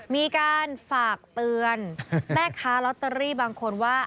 มีการฝากเตือนแม่ค้าลอตเตอรี่บางคนว่า